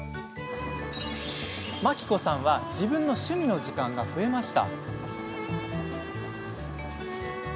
真希子さんは自分の趣味の時間が増えました。